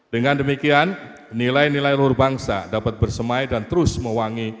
dengan demikian nilai nilai luhur bangsa dapat bersemai dan terus mewangi